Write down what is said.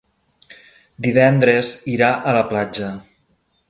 Divendres irà a la platja.